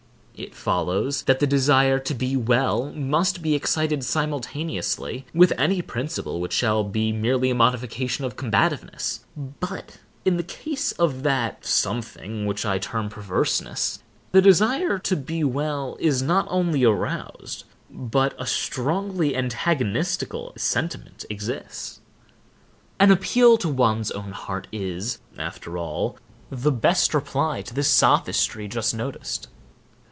It follows, that the desire to be well must be excited simultaneously with any principle which shall be merely a modification of combativeness, but in the case of that something which I term perverseness, the desire to be well is not only not aroused, but a strongly antagonistical sentiment exists. An appeal to one's own heart is, after all, the best reply to the sophistry just noticed.